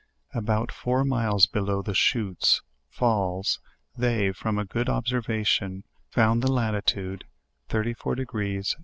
About four miles below the "Chuttes," (falls) they, from a good observation, found the latitude 34, 21, ^5, 5.